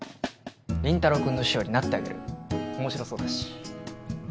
林太郎君の師匠になってあげる面白そうだし。